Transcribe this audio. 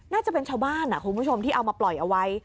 น่าจะเป็นชาวบ้านคุณผู้ชมที่เอามาปล่อยเอาไว้